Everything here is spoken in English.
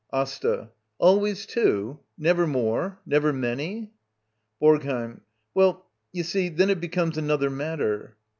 AsTA. Always two? Never more? Never many? BoRGHEiM. Well, you see — then it becomes another matter.